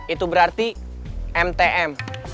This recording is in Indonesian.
itu berarti mtm